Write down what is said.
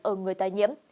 ở người tái nhiễm